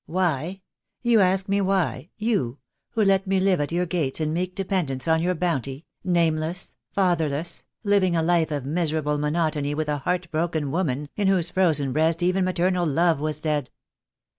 "Why? You ask me why — you, who let me live at your gates in meek dependence on your bounty, name less, fatherless, living a life of miserable monotony with a heart broken woman in whose frozen breast even maternal love was dead.